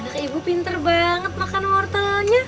nah ibu pinter banget makan wortelnya